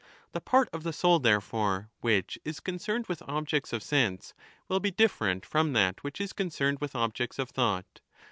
The part of the soul, therefore, which is concerned with objects of sense will be different from that which is concerned with objects of thought.